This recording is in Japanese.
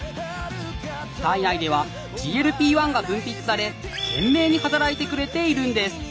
体内ではＧＬＰー１が分泌され懸命に働いてくれているんです！